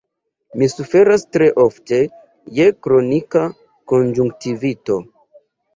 Mi suferas tre ofte je kronika konjunktivito.